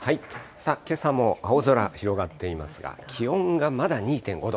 さあ、けさも青空、広がっていますが、気温がまだ２．５度。